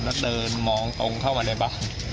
แล้วเดินมองตรงเข้ามาในบ้าน